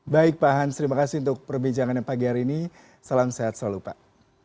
baik pak hans terima kasih untuk perbincangannya pagi hari ini salam sehat selalu pak